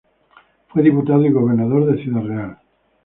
Fue diputado y Gobernador de Ciudad Real.